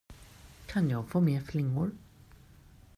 Kan jag få mer flingor?